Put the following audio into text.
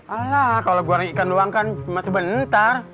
alah kalau goreng ikan luang kan cuma sebentar